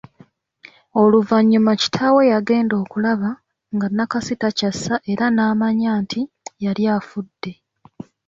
Oluvanyuma kitaawe yagenda okulaba nga Nakasi takyassa era naamanya nti yali afudde.